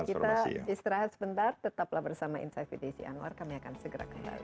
kita istirahat sebentar tetaplah bersama insight with desi anwar kami akan segera kembali